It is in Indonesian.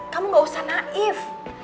kamu gak usah naif